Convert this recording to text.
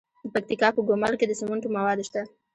د پکتیکا په ګومل کې د سمنټو مواد شته.